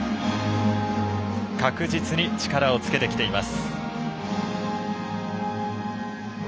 確実に力をつけてきています。